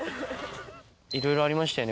いろいろありましたよね